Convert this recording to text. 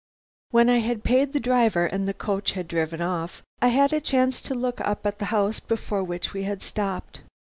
"When I had paid the driver and the coach had driven off, I had a chance to look up at the house before which we had stopped.